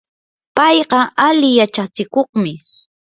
payqa ali yachachikuqmi.